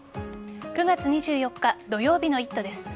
９月２４日土曜日の「イット！」です。